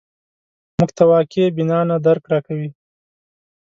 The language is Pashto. موږ ته واقع بینانه درک راکوي